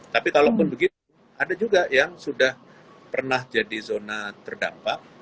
tapi kalaupun begitu ada juga yang sudah pernah jadi zona terdampak